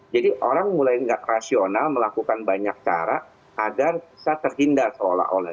jadi orang mulai tidak rasional melakukan banyak cara agar bisa terhindar seolah olah